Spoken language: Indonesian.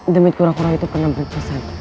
demi kurang kurang itu kena berkesan